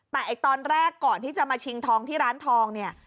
แต่ตอนแรกก่อนที่จะมาชิงทองที่ร้านทองเนี่ย